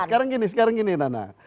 sekarang gini sekarang gini nana